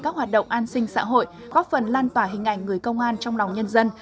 các hoạt động an sinh xã hội góp phần lan tỏa hình ảnh người công an trong lòng nhân dân